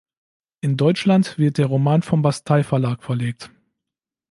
In Deutschland wird der Roman vom Bastei-Verlag verlegt.